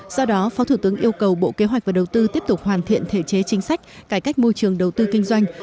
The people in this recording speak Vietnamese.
do đó phó thủ tướng yêu cầu bộ kế hoạch và đầu tư tiếp tục hoàn thiện thể chế chính sách cải cách môi trường đầu tư kinh doanh